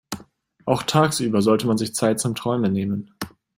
Auch tagsüber sollte man sich Zeit zum Träumen nehmen.